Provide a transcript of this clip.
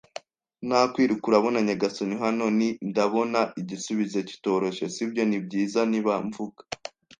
na kwiruka. Urabona, nyagasani, hano ni. Ndabona igisubizo kitoroshye, sibyo? Nibyiza, niba mvuga